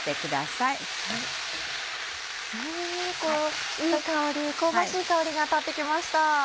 いい香り香ばしい香りが立って来ました。